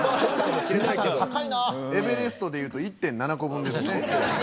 エベレストで言うと１．７個分ですね。